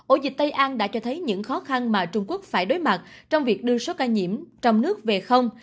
ổ dịch tây an đã cho thấy những khó khăn mà trung quốc phải đối mặt trong việc đưa số ca nhiễm trong nước về không